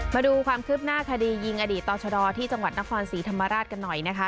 มาดูความคืบหน้าคดียิงอดีตต่อชะดอที่จังหวัดนครศรีธรรมราชกันหน่อยนะคะ